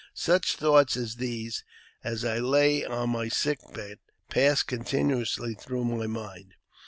Such thoughts as these, as I lay on my sick bed, passed ■continuously through my mind.